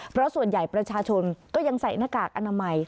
เพราะส่วนใหญ่ประชาชนก็ยังใส่หน้ากากอนามัย